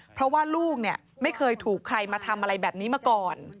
เพราะว่าลูกเนี่ยไม่เคยถูกใครมาทำอะไรแบบนี้มาก่อน